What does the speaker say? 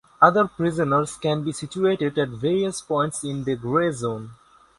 Other prisoners can be situated at various points in the grey zone.